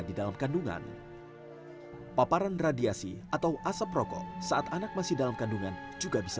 di dalam kandungan paparan radiasi atau asap rokok saat anak masih dalam kandungan juga bisa